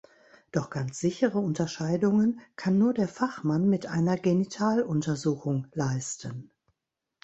Doch ganz sichere Unterscheidungen kann nur der Fachmann mit einer Genitaluntersuchung leisten.